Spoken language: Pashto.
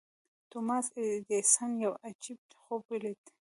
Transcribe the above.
توماس ايډېسن يو عجيب خوب وليد.